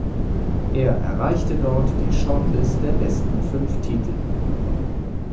Er erreichte dort die Shortlist der besten fünf Titel.